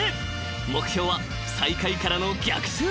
目標は最下位からの逆襲］